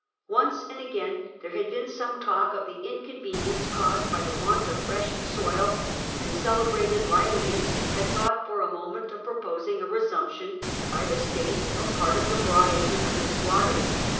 Once and again there had been some talk of the inconvenience caused by the want of fresh soil, and the celebrated Laelius had thought for a moment of proposing a resumption by the state of part of the broad acres of the squatters.